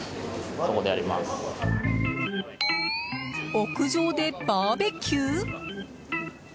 屋上でバーベキュー？